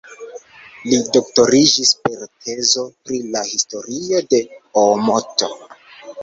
Li doktoriĝis per tezo pri la historio de Oomoto.